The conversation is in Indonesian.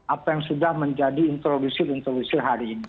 apa yang sudah menjadi introduksi introdusi hari ini